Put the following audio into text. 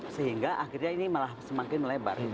sehingga akhirnya ini malah semakin melebar